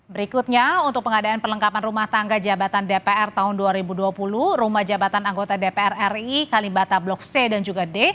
berikutnya untuk pengadaan perlengkapan rumah tangga jabatan dpr tahun dua ribu dua puluh rumah jabatan anggota dpr ri kalibata blok c dan juga d